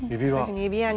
指輪。